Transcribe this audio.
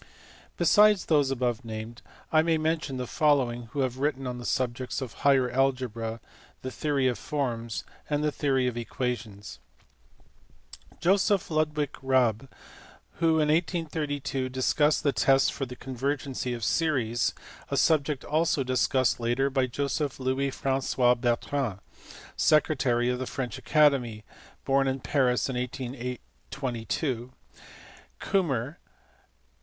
Besides those above named, I may mention the following who have written on the subjects of Higher Algebra, the Theory of Forms, and the Theory of Equations. Josef Ludwig Raabe who in 1832 discussed tests for the convergency of series ; a subject also discussed later by Joseph Louis Francois Bertrand, secretary of the French Academy, born in Paris in 1822 (see below, pp. 482, 488), Rummer (see above, p.